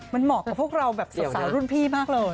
มันเหมาะกับพวกเราแบบสาวรุ่นพี่มากเลย